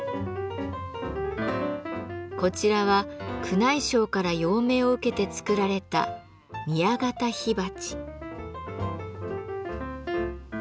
こちらは宮内省から用命を受けて作られた「宮方火鉢」。